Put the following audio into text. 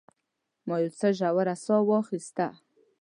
ما یو څه ژوره ساه واخیسته.